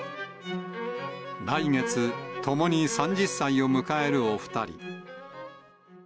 来月、ともに３０歳を迎えるお２人。